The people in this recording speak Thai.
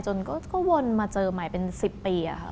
จนก็วนมาเจอใหม่เป็น๑๐ปีค่ะ